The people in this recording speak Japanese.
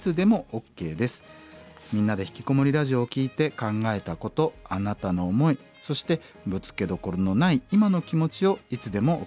「みんなでひきこもりラジオ」を聴いて考えたことあなたの思いそしてぶつけどころのない今の気持ちをいつでも送って下さい。